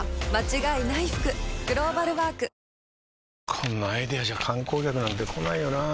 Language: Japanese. こんなアイデアじゃ観光客なんて来ないよなあ